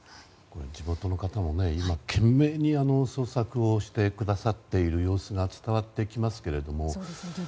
地元の方も懸命に捜索をしてくださっている様子が伝わってきますが。